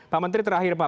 pak menteri terakhir pak